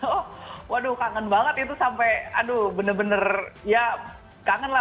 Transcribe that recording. oh waduh kangen banget itu sampai aduh bener bener ya kangen lah